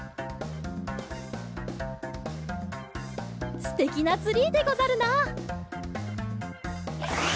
すてきなツリーでござるな。